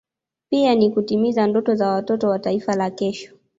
pia ni kutimiza ndoto za watoto wa Taifa la kesho